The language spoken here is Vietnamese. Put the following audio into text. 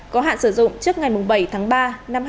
có hạn sử dụng trước ngày bảy tháng ba năm hai nghìn hai mươi